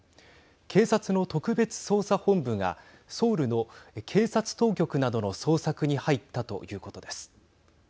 警察の特別捜査本部がソウルの警察当局などの捜索に入ったということです。